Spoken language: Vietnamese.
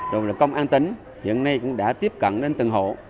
rồi là công an tính hiện nay cũng đã tiếp cận đến từng hộ